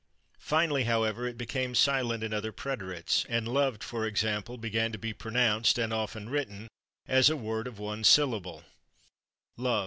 Finally, however, it became silent in other preterites, and /loved/, for example, began to be pronounced (and often written) as a word of one syllable: /lov'd